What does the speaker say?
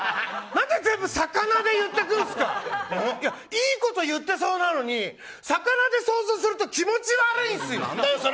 いいこと言ってそうなのに魚で想像すると気持ち悪いんすよ。